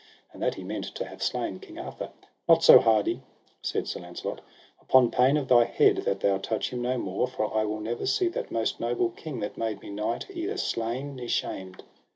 and that he meant to have slain King Arthur. Not so hardy, said Sir Launcelot, upon pain of thy head, that thou touch him no more, for I will never see that most noble king that made me knight neither slain ne shamed.